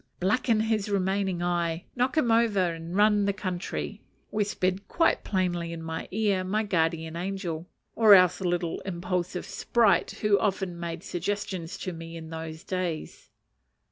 "Blacken his remaining eye! knock him over and run the country!" whispered quite plainly in my ear my guardian angel, or else a little impulsive sprite who often made suggestions to me in those days.